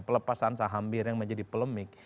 pelepasan saham bir yang menjadi polemik